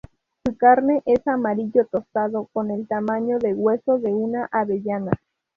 Su carne es amarillo tostado con el tamaño de hueso de una avellana.